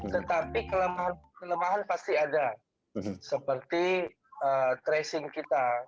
tetapi kelemahan kelemahan pasti ada seperti tracing kita